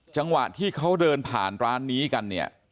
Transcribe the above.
จังหวะที่เขาเดินผ่านร้านนี้กันเนี่ย